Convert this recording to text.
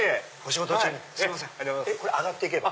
これ上がっていけば。